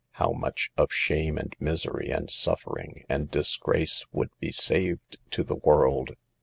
How much of shame and misery and suffering and disgrace would be saved to the world